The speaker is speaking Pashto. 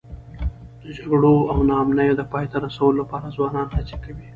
د جګړو او ناامنیو د پای ته رسولو لپاره ځوانان هڅې کوي.